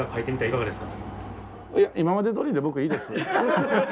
いえ今までどおりで僕はいいです。